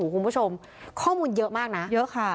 คุณผู้ชมข้อมูลเยอะมากนะเยอะค่ะ